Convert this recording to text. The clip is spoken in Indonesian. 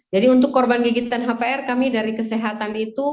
jadi untuk korban gigitan hpr kami dari kesehatan itu